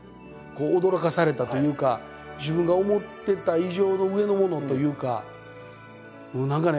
驚かされたというか自分が思ってた以上の上のものというか何かね。